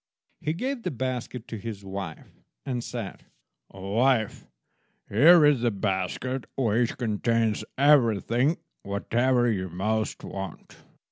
He gave the basket to his wife, and said— "Wife, here is a basket which contains everything, whatever you most want.